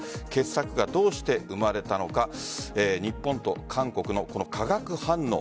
傑作がどうして生まれたのか日本と韓国の化学反応